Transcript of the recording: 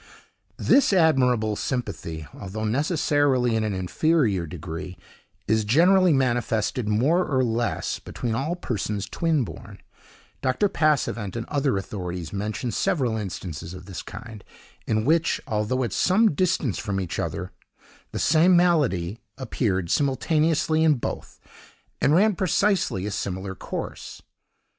This admirable sympathy, although necessarily in an inferior degree, is generally manifested, more or less, between all persons twin born. Dr. Passavent and other authorities mention several instances of this kind, in which, although at some distance from each other, the same malady appeared simultaneously in both, and ran precisely a similar course.